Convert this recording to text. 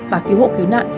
và cứu hộ cứu nạn